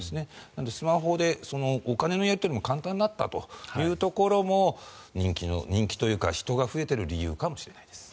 なのでスマホでお金のやり取りも簡単になったというところも人気というか人が増えている理由かもしれないです。